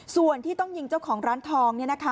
ส่วนที่ต้องยิงเจ้าของร้านทอง